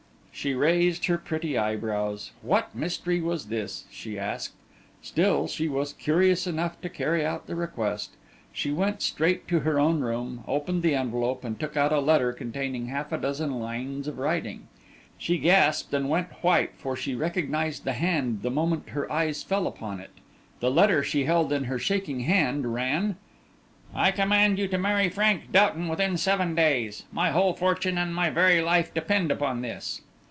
She raised her pretty eyebrows. What mystery was this? she asked. Still, she was curious enough to carry out the request. She went straight to her own room, opened the envelope, and took out a letter containing half a dozen lines of writing. She gasped, and went white, for she recognized the hand the moment her eyes fell upon it. The letter she held in her shaking hand ran: "I command you to marry Frank Doughton within seven days. My whole fortune and my very life may depend upon this."